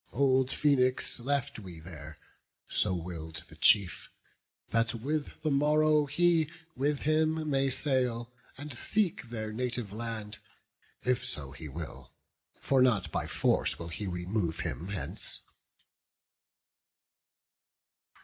Old Phoenix left we there, so will'd the chief, That with the morrow he with him may sail, And seek their native land, if so he will; For not by force will he remove him hence."